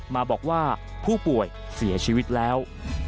มาบอกว่าผู้ป่วยเสียชีวิตแล้ว